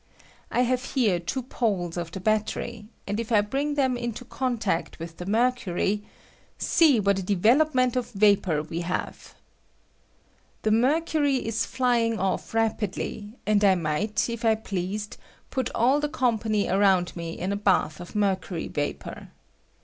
I have here two poles of the battery, and if I bring them into contact ■with the mercuiy, see what a development of vapor we havel The mercury is flying off rapidly, and I might, if I pleased, put aU the company around me in a bath of mercury vapor.